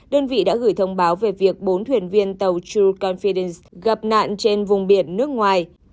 đơn vị đã gửi thông báo về việc bốn thuyền viên tàu tree confidence gặp nạn trên vùng biển nước ngoài